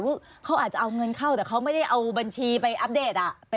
เขาอาจจะเอาเงินเข้าแต่เขาไม่ได้เอาบัญชีไปอัปเดต